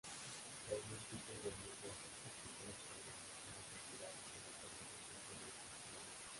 Tras múltiples denuncias, este tipo de programas fueron retirados de la programación televisiva española.